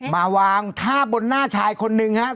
มาวางท่าบนหน้าชายคนนึงครับ